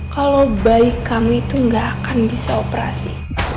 kalau bayi kamu itu gak akan bisa operasi